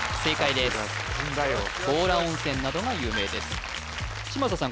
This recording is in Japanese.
さすが神大王強羅温泉などが有名です嶋佐さん